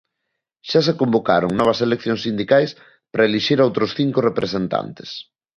Xa se convocaron novas eleccións sindicais para elixir a outros cinco representantes.